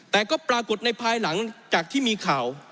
แต่ก็ปรากฏในภายหลังจากที่มีข่าว